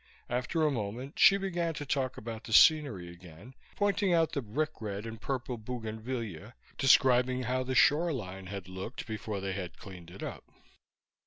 After a moment she began to talk about the scenery again, pointing out the brick red and purple bougainvillea, describing how the shoreline had looked before they'd "cleaned it up."